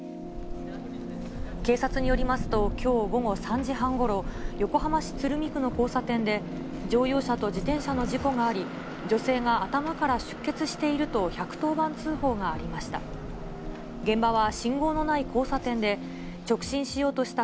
警察によりますと、きょう午後３時半ごろ、横浜市鶴見区の交差点で乗用車と自転車の事故があり、女性が頭から出血していると１１０番通報がありました。